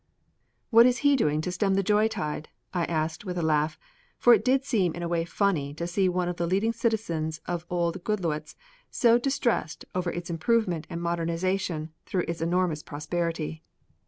"What is he doing to stem the joy tide?" I asked with a laugh, for it did seem in a way funny to see one of the leading citizens of old Goodloets so distressed over its improvement and modernization through its enormous prosperity.